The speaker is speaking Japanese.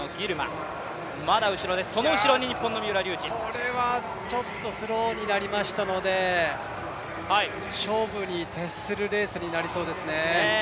これはちょっとスローになりましたので、勝負に徹するレースになりそうですね。